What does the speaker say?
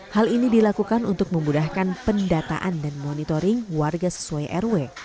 hal ini dilakukan untuk memudahkan pendataan dan monitoring warga sesuai rw